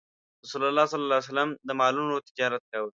رسول الله ﷺ د مالونو تجارت کاوه.